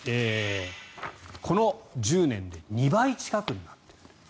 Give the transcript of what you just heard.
この１０年で２倍近くになっている。